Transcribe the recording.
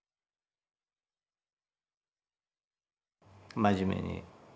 真面目に。